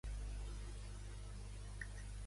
Carlos Front és un remer nascut a Amposta.